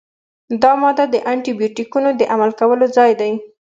دا ماده د انټي بیوټیکونو د عمل کولو ځای دی.